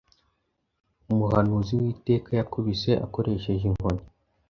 Umuhanuzi w'iteka yakubise akoresheje inkoni,